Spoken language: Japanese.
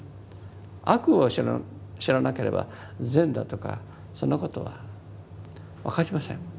悪を知らなければ善だとかそんなことは分かりません。